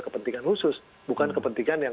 kepentingan khusus bukan kepentingan yang